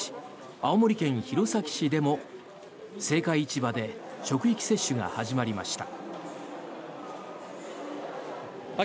青森県弘前市でも青果市場で職域接種が始まりました。